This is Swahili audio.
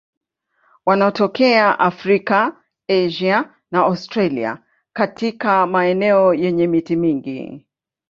Wanatokea Afrika, Asia na Australia katika maeneo yenye miti mingi.